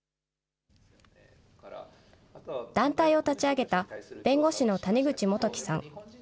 団体を立ち上げた弁護士の谷口太規さん。